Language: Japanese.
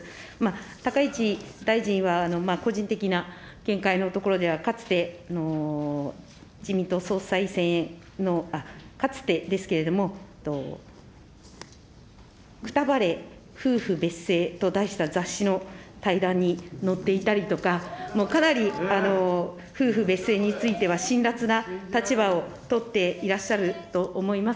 高市大臣は個人的な見解のところでは、かつて自民党総裁選の、かつてですけれども、くたばれ夫婦別姓と題した雑誌の対談に載っていたりとか、かなり夫婦別姓についてはしんらつな立場を取っていらっしゃると思います。